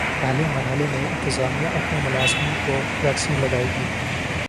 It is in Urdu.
پہلے مرحلے میں انتظامیہ اپنے ملازمین کو ویکسین لگائے گی